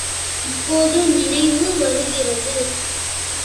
இப்போது நினைவு வருகிறது!